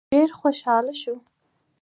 ډېر خوشاله شو.